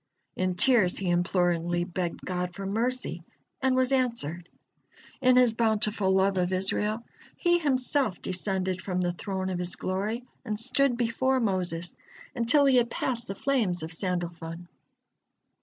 In tears he imploringly begged God for mercy, and was answered. In His bountiful love of Israel, He Himself descended from the Throne of His glory and stood before Moses, until he had passed the flames of Sandalfon.